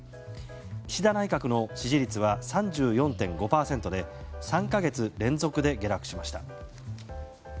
岸田内閣の支持率は３４．５％で３か月連続で下落しました。